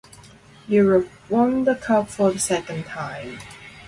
Europe won the cup for the second time.